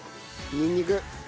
にんにく！